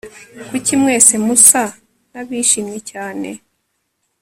Kuki mwese musa nabishimye cyane